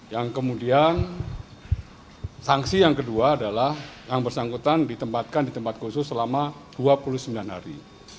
yang kemudian sanksi yang kedua adalah yang bersangkutan ditempatkan di tempat khusus selama dua puluh sembilan hari